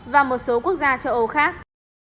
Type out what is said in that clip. và một số quốc gia châu âu